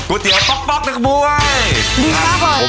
กูเตียบป๊อกนะครับคุณผู้อ้าย